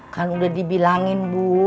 kan udah dibilangin bu